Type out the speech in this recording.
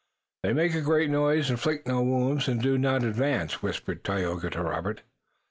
"They make a great noise, inflict no wounds, and do not advance," whispered Tayoga to Robert.